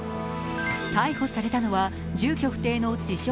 逮捕されたのは、住居不定の自称